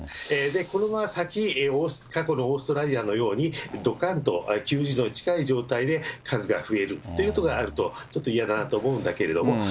これから先、過去のオーストラリアのように、どかんと近い状態で数が増えるということがあると、ちょっと嫌だなと思うんだけれども。